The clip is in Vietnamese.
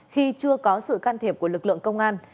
khi chưa có sự can thiệp của lực lượng công an